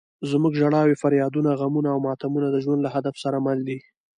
زموږ ژړاوې، فریادونه، غمونه او ماتمونه د ژوند له هدف سره مل دي.